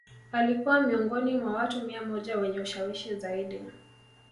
Alikua miongoni mwa watu mia moja wenye ushawishi zaidi